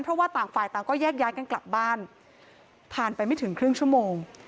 เพราะว่าต่างฝ่ายต่างก็แยกย้ายกันกลับบ้านผ่านไปไม่ถึงครึ่งชั่วโมง